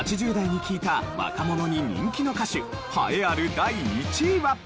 ８０代に聞いた若者に人気の歌手栄えある第１位は。